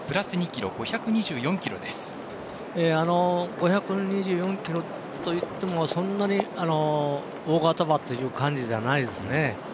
５２４ｋｇといってもそんなに大型馬という感じではないですね。